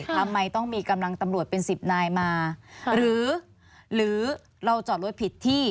ทำไมต้องมีกำลังตำรวจเป็นสิบนายมาหรือเราจอดรถผิดที่